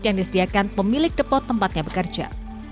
yang disediakan pemilik depot tempatnya bekerja